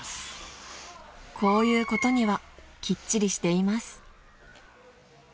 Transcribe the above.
［こういうことにはきっちりしています］